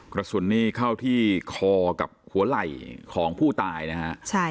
กระสุนนี่เข้าที่คอกับหัวไหล่ของผู้ตายนะฮะ